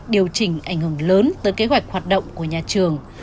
điều chỉnh ảnh hưởng lớn tới kế hoạch hoạt động của nhà trường